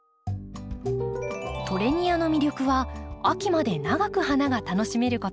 トレニアの魅力は秋まで長く花が楽しめること。